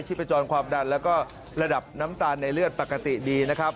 พจรความดันแล้วก็ระดับน้ำตาลในเลือดปกติดีนะครับ